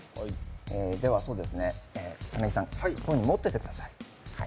では、草薙さん、これを持っていてください。